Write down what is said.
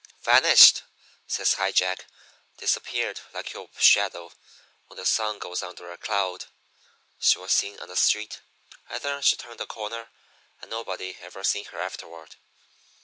"'Vanished,' says High Jack. 'Disappeared like your shadow when the sun goes under a cloud. She was seen on the street, and then she turned a corner and nobody ever seen her afterward.